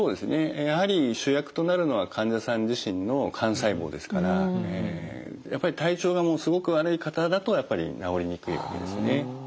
やはり主役となるのは患者さん自身の幹細胞ですからやっぱり体調がもうすごく悪い方だとやっぱり治りにくいわけですね。